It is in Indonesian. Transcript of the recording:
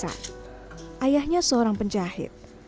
lala lalu menjadi seorang penjahit